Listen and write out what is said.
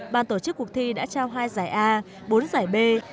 ban tổ chức cuộc thi đã trao hai giải a bốn giải b